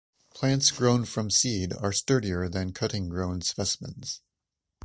Plants grown from seed are sturdier than cutting-grown specimens.